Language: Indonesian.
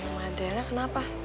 kepalanya sama adriana kenapa